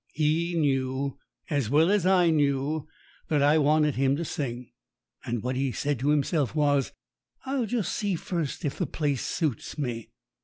He knew, as well as I knew, that I wanted him to sing; and what he said to himself was, "I'll just see first if the place suits me.